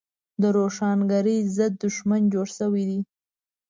د روښانګرۍ ضد دښمن جوړ شوی دی.